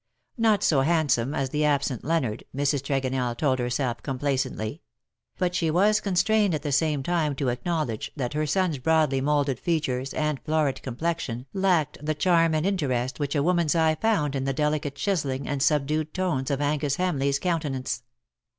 Not so handsome as the absent Leonard, Mrs. Tregonell told herself complacently; but she was constrained at the same time to acknow ledge that her son^s broadly moulded features and florid complexion lacked the charm and interest which a woman^s eye found in the delicate chiselling and subdued tones of Angus Hamleigh's countenance.